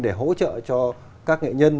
để hỗ trợ cho các nghệ nhân